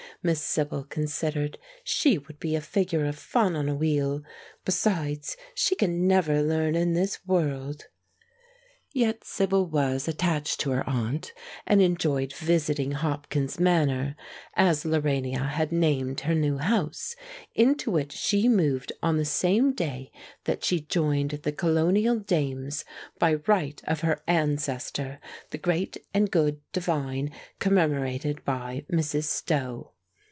Miss Sibyl considered. "She would be a figure of fun on a wheel; besides, she can never learn in this world!" Yet Sibyl was attached to her aunt, and enjoyed visiting Hopkins Manor, as Lorania had named her new house, into which she moved on the same day that she joined the Colonial Dames, by right of her ancestor the great and good divine commemorated by Mrs. Stowe.